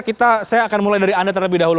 kita saya akan mulai dari anda terlebih dahulu